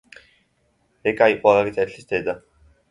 ეკა იყო აკაკი წერეთლის დედა.